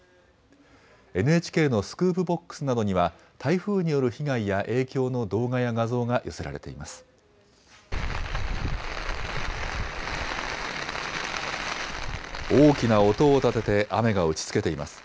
ＮＨＫのスクープボックスなどには台風による被害や、影響の動画や画像が寄せられています。